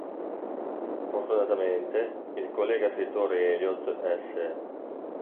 Fortunatamente, il collega scrittore Elliot S!